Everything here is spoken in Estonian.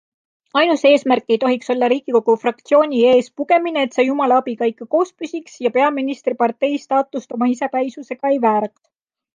Ainus eesmärk ei tohiks olla riigikogu fraktsiooni ees pugemine, et see jumala abiga ikka koos püsiks ja peaministripartei staatust oma isepäisusega ei vääraks.